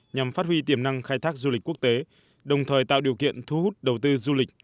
nhằm phát huy tiềm năng khai thác du lịch quốc tế đồng thời tạo điều kiện thu hút đầu tư du lịch